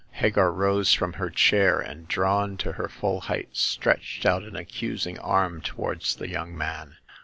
Hagar rose from her chair, and, drawn to her full height, stretched out an accusing arm towards the young man.